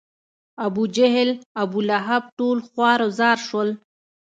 ابوجهل، ابولهب ټول خوار و زار شول.